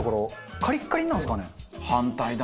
カリッカリになるんですかね？